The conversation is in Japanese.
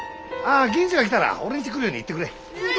ああ銀次が来たら俺んち来るように言ってくれ。